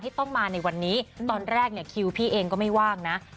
ต้องมาในวันนี้ตอนแรกเนี่ยคิวพี่เองก็ไม่ว่างนะ